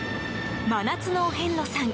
真夏のお遍路さん